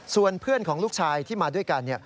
ส่วนเพื่อนของลูกชายที่มาด้วยกัน